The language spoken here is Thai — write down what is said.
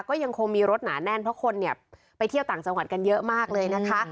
ก็ยังคงมีรถหนาแน่นเพราะคนเนี่ยไปเที่ยวต่างจังหวัดกันเยอะมากเลยนะคะ